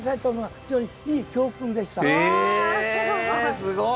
すごい！